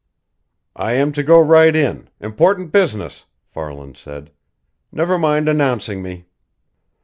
"I am to go right in important business," Farland said. "Never mind announcing me."